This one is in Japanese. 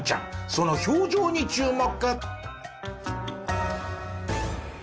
その表情に注目。